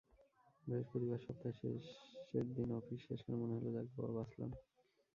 বৃহস্পতিবার সপ্তাহের শেষের দিন অফিস শেষ করে মনে হলো, যাক বাবা, বাঁচলাম।